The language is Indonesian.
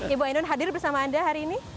ibu ainun hadir bersama anda hari ini